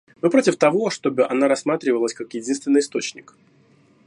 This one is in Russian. Мы против того, чтобы она рассматривалась как единственный источник.